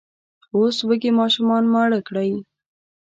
اوس وږي ماشومان ماړه کړئ!